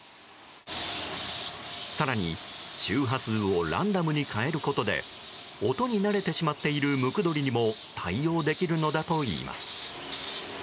更に周波数をランダムに変えることで音に慣れてしまっているムクドリにも対応できるのだといいます。